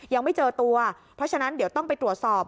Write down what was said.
ยังไม่เจอตัวเพราะฉะนั้นเดี๋ยวต้องไปตรวจสอบ